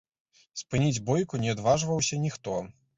Спыніць бойку не адважваўся ніхто.